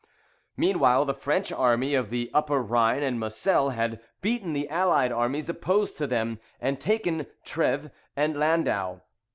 Meanwhile the French army of the Upper Rhine and Moselle had beaten the allied armies opposed to them, and taken Treves and Landau.